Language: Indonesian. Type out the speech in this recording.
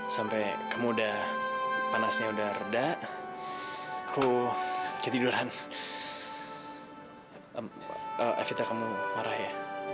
sampai jumpa di video selanjutnya